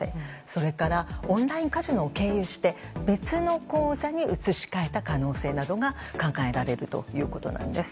それからオンラインカジノを経由して別の口座に移し替えた可能性などが考えられるということです。